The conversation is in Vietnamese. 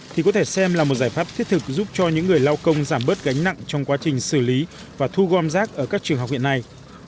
thì có thể xem là một giải pháp thiết thực giúp cho những người lao công giảm bớt gánh nặng trong quá trình xử lý và thu gom rác ở các trường học hiện nay